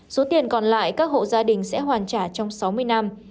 số tiền còn lại các hộ gia đình sẽ hoàn trả trong sáu mươi năm